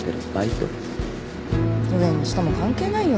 上も下も関係ないよ。